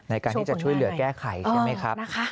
ในการที่จะช่วยเหลือแก้ไขใช่ไหมครับ